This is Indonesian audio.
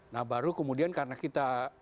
nah baru kemudian karena kita